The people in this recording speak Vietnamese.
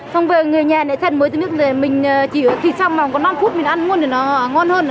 xong về người nhà này thay mua thịt nước mình chỉ thịt xong còn năm phút mình ăn luôn thì nó ngon hơn